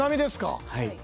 はい。